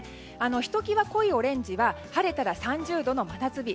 ひときわ濃いオレンジは晴れたら３０度の真夏日。